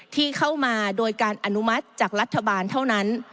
ที่เข้ามาโดยการอนุมัติจากรัฐบาลเท่านั้น